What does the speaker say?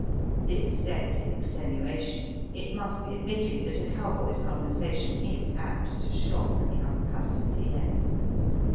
This said in extenuation, it must be ad mitted that a cowboy's conversation is apt to shock the unaccustomed ear.